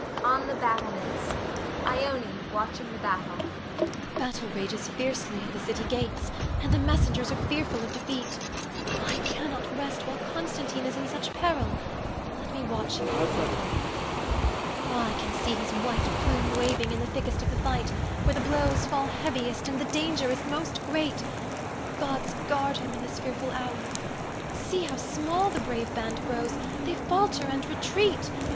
[On the battlements. Ione, watching the battle.] Ione. The battle rages fiercely at the city gates, and the messengers are fearful of defeat. I cannot rest while Constantine is in such peril. Let me watch here and pray for him. Ah, I can see his white plume waving in the thickest of the fight, where the blows fall heaviest and the danger is most great. The gods guard him in this fearful hour! See how small the brave band grows; they falter and retreat.